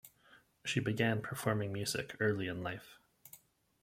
She began performing music early in life.